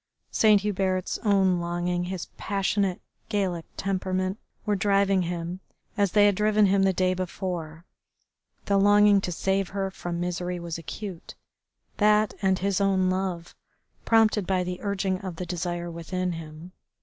Saint Hubert's own longing, his passionate, Gallic temperament, were driving him as they had driven him the day before. The longing to save her from misery was acute, that, and his own love, prompted by the urging of the desire within him.